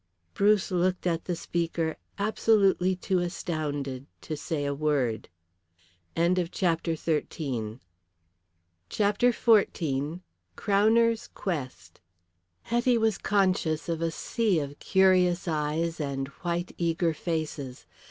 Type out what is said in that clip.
Bruce looked at the speaker absolutely too astounded to say a word. CHAPTER XIV. "CROWNER'S QUEST." Hetty was conscious of a sea of curious eyes and white, eager faces.